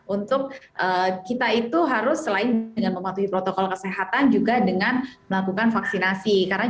untuk kita itu harus selain dengan mematuhi protokol kesehatan juga dengan melakukan vaksinasi